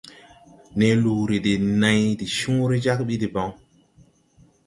Ne luuri de nãy de cõõre jag ɓi debaŋ.